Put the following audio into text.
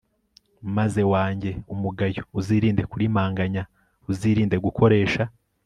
maze wange umugayo Uzirinde kurimanganya Uzirinde gukoresha